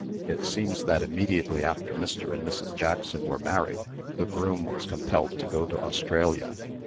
It seems that immediately after Mr. and Mrs. Jackson were married, the groom was compelled to go to Australia.